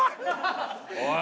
おい！